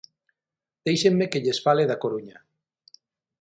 Déixenme que lles fale da Coruña.